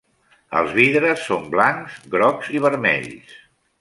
Els vidres són blancs, grocs i vermells.